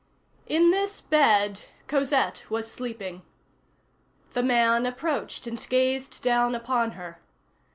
In this bed Cosette was sleeping. The man approached and gazed down upon her.